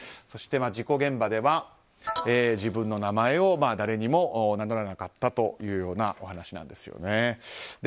そして、事故現場では自分の名前を誰にも名乗らなかったというお話なんですね。